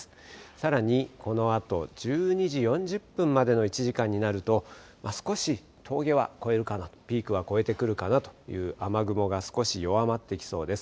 さらにこのあと１２時４０分までの１時間になると、少し峠は越えるかな、ピークは越えてくるかなという雨雲が少し弱まってきそうです。